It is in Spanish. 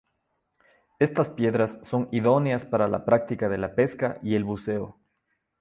Estas piedras son idóneas para la práctica de la pesca y el buceo.